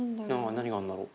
何があるんだろう？